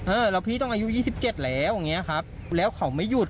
เออแล้วพี่ต้องอายุยี่สิบเจ็ดแล้วอย่างเงี้ยครับแล้วเขาไม่หยุด